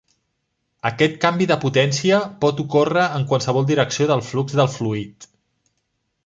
Aquest canvi de potència pot ocórrer en qualsevol direcció del flux de fluid.